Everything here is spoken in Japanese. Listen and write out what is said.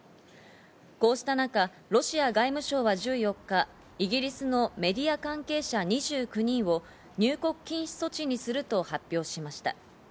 こうした中、ロシア外務省は１４日、イギリスのメディア関係者２９人を入国禁止措置にすると発表しました。